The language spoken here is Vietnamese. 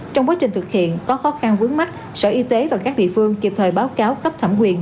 trong quá trình thực hiện có khó khăn vướng mắt sở y tế và các địa phương kịp thời báo cáo cấp thẩm quyền